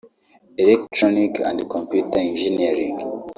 Electronic and Computer engineering